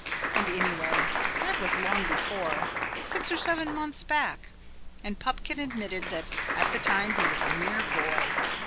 And anyway, that was long before, six or seven months back, and Pupkin admitted that at the time he was a mere boy.